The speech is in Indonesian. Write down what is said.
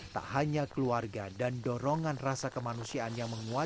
tak hanya keluarga dan dorongan rasa kemanusiaan yang menguasai